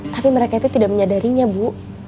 tapi mereka itu tidak menyadarinya bu